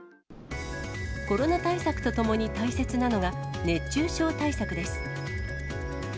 コロナ対策とともに大切なのが、熱中症対策です。